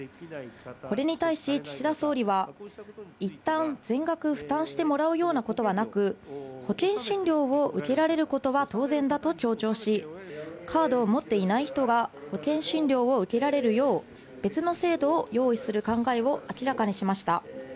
これに対し、岸田総理はいったん、全額負担してもらうようなことはなく、保険診療を受けられることは当然だと強調し、カードを持っていない人が、保険診療を受けられるよう、別の制度を用意する考えを明らかにしました。